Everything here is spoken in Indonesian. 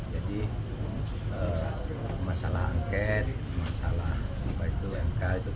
jadi masalah agen masalah jangka itu kan jangka pendek